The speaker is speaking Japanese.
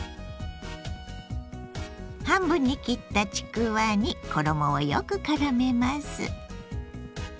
半分に切ったちくわに衣をよくからめます。